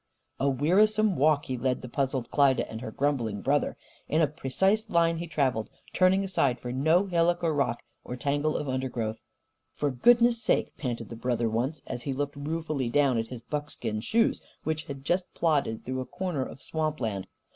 A wearisome walk he led the puzzled Klyda and her grumbling brother. In a precise line he travelled, turning aside for no hillock or rock or tangle of undergrowth. "For goodness' sake!" panted the brother, once, as he looked ruefully down at his buckskin shoes which had just plodded through a corner of swamp land.